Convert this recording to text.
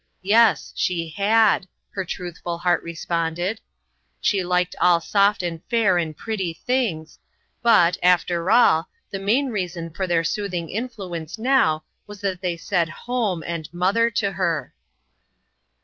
Yes, she had! her truthful heart responded. She liked all soft and fair and pretty things ; but, after all, the main reason for their soothing influ 148 INTERRUPTED. ence now was that they said " home " and " mother " to her.